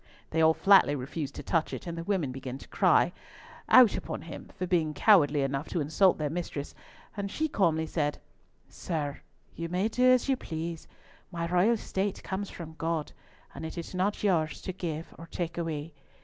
They all flatly refused to touch it, and the women began to cry "Out upon him," for being cowardly enough to insult their mistress, and she calmly said, "Sir, you may do as you please. My royal state comes from God, and is not yours to give or take away.